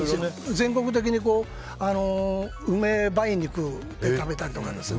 全国的に梅肉で食べたりとか。